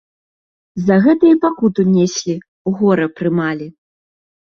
За гэта і пакуту неслі, гора прымалі.